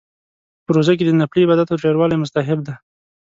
په روژه کې د نفلي عباداتو ډیروالی مستحب دی